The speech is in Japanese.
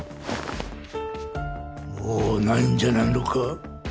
もうないんじゃないのか？